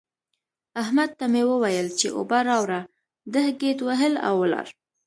احمد ته مې وويل چې اوبه راوړه؛ ده ګيت وهل او ولاړ.